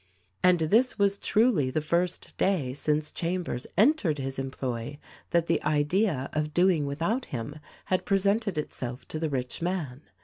And this was truly the first day since Chambers entered his employ that the idea of doing without him had presented itself to the rich man.